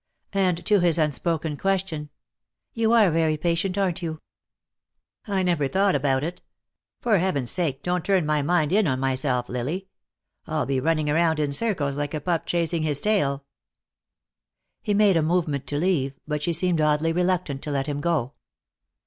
And to his unspoken question: "You are very patient, aren't you?" "I never thought about it. For heaven's sake don't turn my mind in on myself, Lily. I'll be running around in circles like a pup chasing his tail." He made a movement to leave, but she seemed oddly reluctant to let him go.